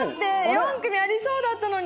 ４組ありそうだったのに！